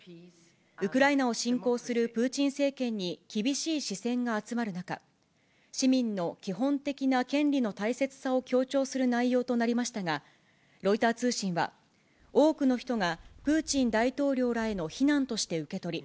ウクライナを侵攻するプーチン政権に厳しい視線が集まる中、市民の基本的な権利の大切さを強調する内容となりましたが、ロイター通信は、多くの人がプーチン大統領らへの非難として受け取り、